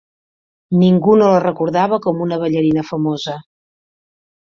Ningú no la recordava com una ballarina famosa.